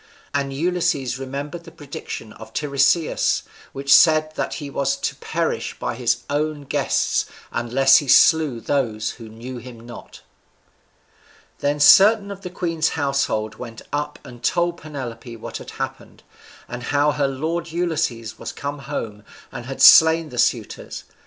And Ulysses remembered the prediction of Tiresias, which said that he was to perish by his own guests, unless he slew those who knew him not. [Illustration: Rose in a mass to overwhelm and crush those two.] Then certain of the queen's household went up and told Penelope what had happened, and how her lord Ulysses was come home, and had slain the suitors.